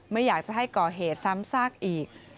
ไม่อยากจะให้ก่อเหตุซ้ำซากอีก